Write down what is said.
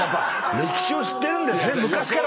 歴史を知ってるんですね。